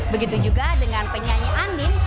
begitu juga dengan penyanyi andin